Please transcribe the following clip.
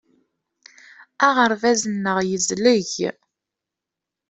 Aɣerbaz-nneɣ yezleg.